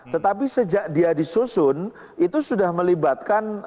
tetapi sejak dia disusun itu sudah melibatkan